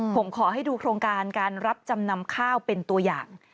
ผมขอให้ดูโครงการการรับจำนำข้าวเป็นตัวอย่าง